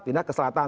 pindah ke selatan